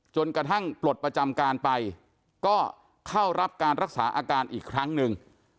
จนกระทั่งปลดประจำการไปก็เข้ารับการรักษาอาการอีกครั้งหนึ่ง